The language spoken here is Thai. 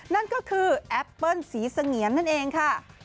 นั่นก็คือแอปเปิ้ลสีเสงียนนั่นเองค่ะ